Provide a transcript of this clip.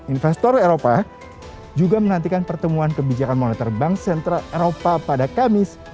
investor eropa juga menantikan pertemuan kebijakan monitor bank sentral eropa pada kamis